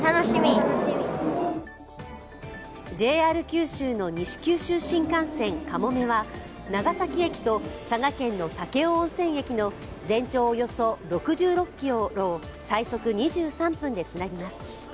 ＪＲ九州の西九州新幹線かもめは長崎駅と佐賀県の武雄温泉駅の全長およそ６６ｋｍを最速２３分でつなぎます。